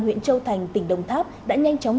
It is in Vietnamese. huyện châu thành tỉnh đồng tháp đã nhanh chóng